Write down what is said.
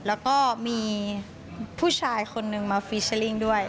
แล้วก็มีผู้ชายคนนึงมาฟีเจอร์ลิ่งด้วย